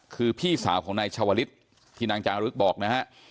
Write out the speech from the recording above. คือพี่สาวของนายชาวลิศที่นางจารึกบอกนะฮะ